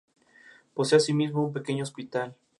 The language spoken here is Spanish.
Posee asimismo un pequeño hospital.